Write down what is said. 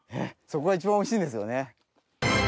そこが一番おいしいんですよね。